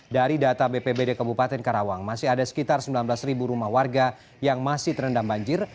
dari data bpbd kabupaten karawang masih ada sekitar sembilan belas rumah warga yang masih terendam banjir